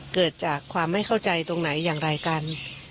เกิดจากความไม่เข้าใจตรงไหนอย่างไรกัน